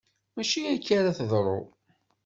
Mačči akka ara teḍru!